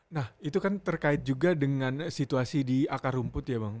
nah itu kan terkait juga dengan situasi di akar rumput ya bang